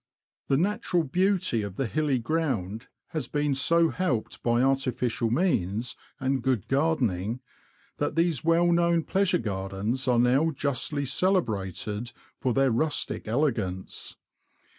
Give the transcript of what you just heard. The natural beauty of the hilly ground has been so helped by artificial means and good gardening, that these well known pleasure gardens are now justly celebrated for their rustic elegance.